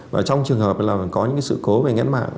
và trong trường hợp là có những sự cố về ngã mạng